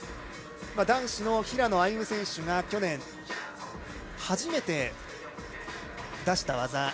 男子の平野歩夢選手が去年、初めて出した技。